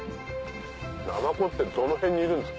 ナマコってどの辺にいるんですか？